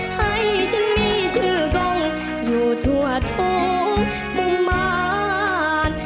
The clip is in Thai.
ให้ฉันมีชื่อกล้องอยู่ทั่วทุกมุมมาร